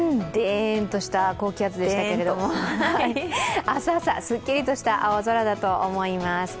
デーンとした高気圧でしたけれども、明日朝すっきりした青空だと思います。